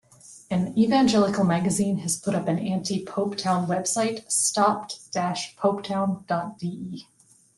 An evangelical magazine has put up an anti-Popetown website, "stoppt-popetown dot de".